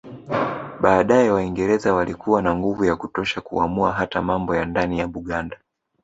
Baadaye Waingereza walikuwa na nguvu ya kutosha kuamua hata mambo ya ndani ya Buganda